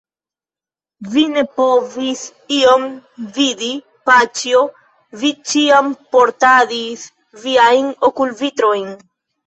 Vi ne povis ion vidi, paĉjo, vi ĉiam portadis viajn okulvitrojn.